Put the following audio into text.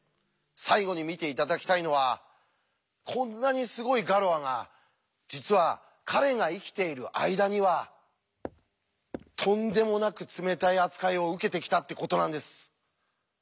最後に見て頂きたいのはこんなにすごいガロアが実は彼が生きている間にはとんでもなく冷たい扱いを受けてきたってことなんです。